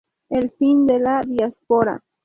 El fin de "la Diáspora".